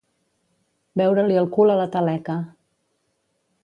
Veure-li el cul a la taleca.